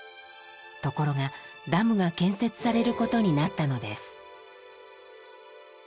ところがダムが建設されることになったのです。